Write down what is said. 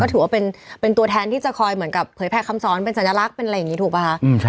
ถือว่าเป็นตัวแทนที่จะคอยเหมือนกับเผยแพร่คำสอนเป็นสัญลักษณ์เป็นอะไรอย่างนี้ถูกป่ะคะ